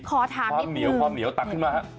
ขอถามนิดหนึ่งความเหนียวตักขึ้นมา